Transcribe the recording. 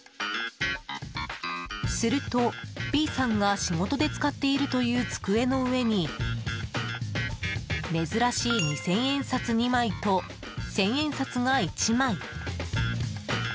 すると、Ｂさんが仕事で使っているという机の上に珍しい二千円札２枚と千円札が１枚。